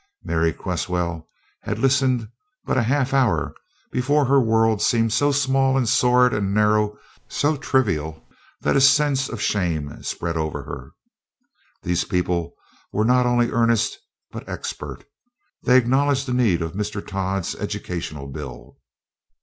Mary Cresswell had listened but a half hour before her world seemed so small and sordid and narrow, so trivial, that a sense of shame spread over her. These people were not only earnest, but expert. They acknowledged the need of Mr. Todd's educational bill.